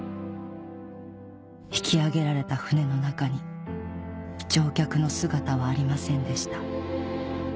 引き揚げられた船の中に乗客の姿はありませんでした